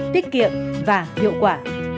tiết kiệm và hiệu quả